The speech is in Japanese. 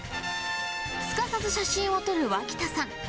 すかさず写真を撮る脇田さん。